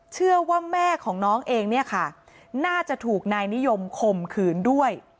เชื่อว่าแม่ของน้องเองเนี่ยค่ะน่าจะถูกนายนิยมข่มขืนด้วย